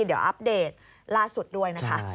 เดี๋ยวอัปเดตล่าสุดด้วยนะคะ